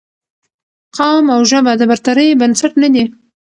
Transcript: قوم او ژبه د برترۍ بنسټ نه دي